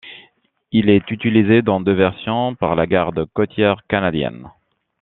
Il est utilisé dans deux versions par la Garde côtière canadienne.